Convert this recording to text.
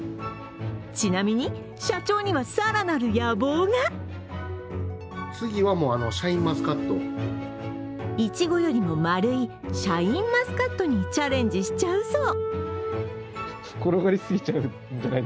ちなみに、社長には更なる野望がいちごよりも丸いシャインマスカットにチャレンジしちゃうそう。